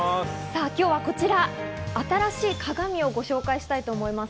今日はこちら、新しい鏡をご紹介したいと思います。